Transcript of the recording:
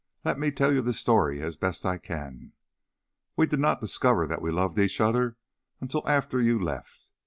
"Let me tell you the story as best I can. We did not discover that we loved each other until after you left.